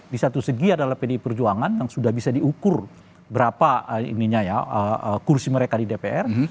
di satu segi adalah pdi perjuangan yang sudah bisa diukur berapa kursi mereka di dpr